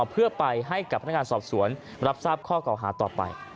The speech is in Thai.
เพื่อไปให้กับพนักงานสอบสวนรับทราบข้อเก่าหาต่อไป